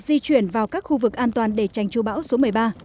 di chuyển vào các khu vực an toàn để tránh chú bão số một mươi ba